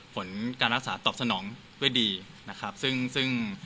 ผลการรักษาตอบสนองด้วยดีนะครับซึ่งซึ่ง